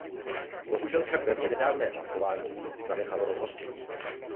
Bohužel však ve mně nedávné hlasování zanechalo rozhořčení.